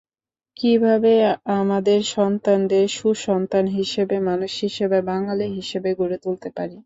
কীভাবে আমাদের সন্তানদের সুসন্তান হিসেবে, মানুষ হিসেবে, বাঙালি হিসেবে গড়ে তুলতে পারি।